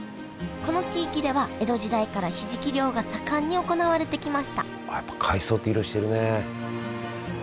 この地域では江戸時代からひじき漁が盛んに行われてきましたああやっぱ海藻って色してるね。